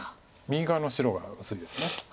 右側の白が薄いです。